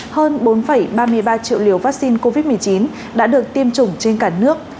hơn bốn ba mươi ba triệu liều vaccine covid một mươi chín đã được tiêm chủng trên cả nước